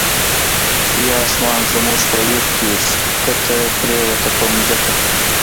یا آسمان زمونږ په ویر کی، ښکته پریوته په ځمکه